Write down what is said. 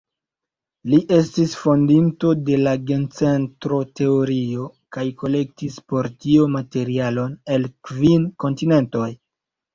Li estis fondinto de la gencentro-teorio kaj kolektis por tio materialon el kvin kontinentoj.